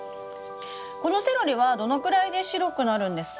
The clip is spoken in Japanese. このセロリはどのくらいで白くなるんですか？